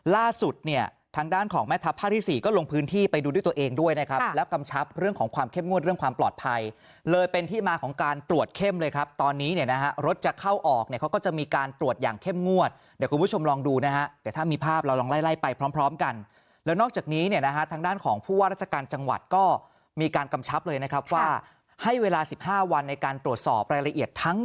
ล่าสุดเนี่ยทางด้านของแม่ทัพภาคที่๔ก็ลงพื้นที่ไปดูด้วยตัวเองด้วยนะครับแล้วกำชับเรื่องของความเข้มงวดเรื่องความปลอดภัยเลยเป็นที่มาของการตรวจเข้มเลยครับตอนนี้เนี่ยนะฮะรถจะเข้าออกเนี่ยเขาก็จะมีการตรวจอย่างเข้มงวดเดี๋ยวคุณผู้ชมลองดูนะฮะแต่ถ้ามีภาพเราลองไล่ไปพร้อมกันแล้วนอกจากนี้เนี่ย